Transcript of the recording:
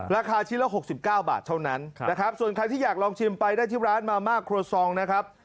ราคาชิ้นละ๖๙บาทเท่านั้นนะครับส่วนใครที่อยากลองชิมไปได้ที่ร้านมาม่าครัวซองนะครับ